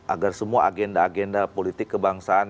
agar semua agenda agenda politik kebangsaan